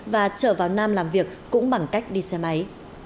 và trở vào nam làm việc cũng bằng cách đi xe máy